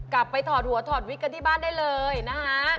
ถอดหัวถอดวิกกันที่บ้านได้เลยนะฮะ